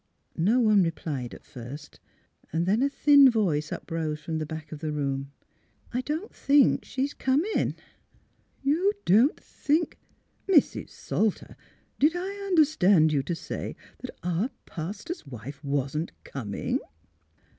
No one replied at first; then a thin voice up rose from the back of the room: *' I don't think she's comin'." *' You don't think — Mrs. Salter, did I un derstand you to say that our pastor's wife wasn't coming?